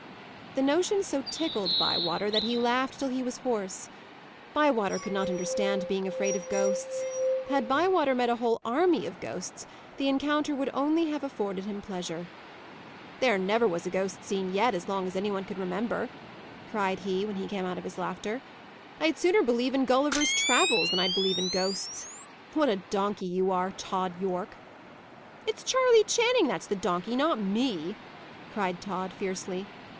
The notion so tickled Bywater, that he laughed till he was hoarse. Bywater could not understand being afraid of "ghosts." Had Bywater met a whole army of ghosts, the encounter would only have afforded him pleasure. "There never was a ghost seen yet, as long as any one can remember," cried he, when he came out of his laughter. "I'd sooner believe in Gulliver's travels, than I'd believe in ghosts. What a donkey you are, Tod Yorke!" "It's Charley Channing that's the donkey; not me," cried Tod, fiercely.